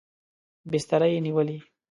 بستره یې نیولې.